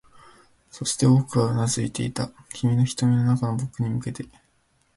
そして、僕はうなずいていた、君の瞳の中の僕に向けて